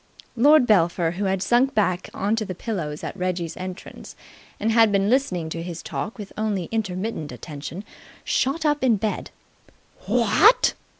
Lord Belpher, who had sunk back on to the pillows at Reggie's entrance and had been listening to his talk with only intermittent attention, shot up in bed. "What!"